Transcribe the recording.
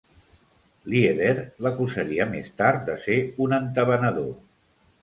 Lieder l'acusaria més tard de ser un entabanador.